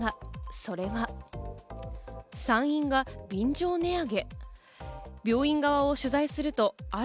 それは産院が便乗値上げ。